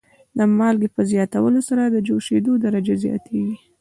د مالګې په زیاتولو سره د جوشیدو درجه زیاتیږي.